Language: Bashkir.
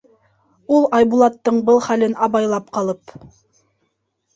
Ул Айбулаттың был хәлен абайлап ҡалып: